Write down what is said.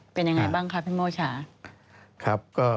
เป็นยังไงบ้างครับพี่โมชา